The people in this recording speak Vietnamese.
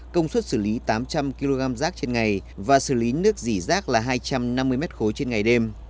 công suất xử lý tám trăm linh kg rác trên ngày và xử lý nước dỉ rác là hai trăm năm mươi m ba trên ngày đêm